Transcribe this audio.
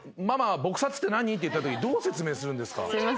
撲殺って何？」って言ったときどう説明するんですか。